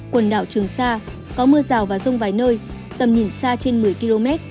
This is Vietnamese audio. quần đảo trường sa có mưa rào và rông vài nơi tầm nhìn xa trên một mươi km